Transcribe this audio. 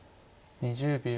２０秒。